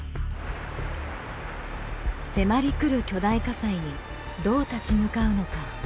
迫りくる巨大火災にどう立ち向かうのか。